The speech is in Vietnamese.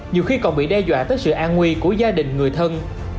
nhiều khi còn bị đe dọa tới sự an nguy của gia đình người thân